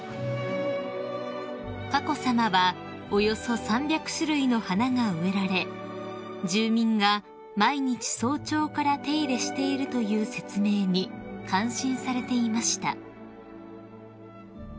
［佳子さまはおよそ３００種類の花が植えられ住民が毎日早朝から手入れしているという説明に感心されていました］